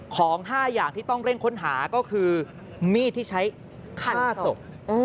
ของ๕อย่างที่ต้องเร่งค้นหาก็คือมีดที่ใช้ฆ่าศพ